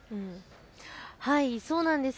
そうなんです。